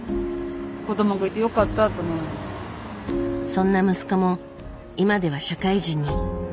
そんな息子も今では社会人に。